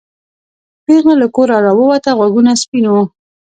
پېغله له کوره راووته غوږونه سپین وو.